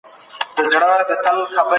سالم ذهن جنجال نه راوړي.